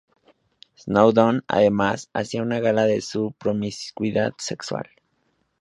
Snowdon, además, hacía gala de su promiscuidad sexual.